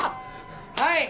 はい！